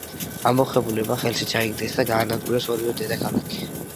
ამბოხებულებმა ხელში ჩაიგდეს და გაანადგურეს ორივე დედაქალაქი.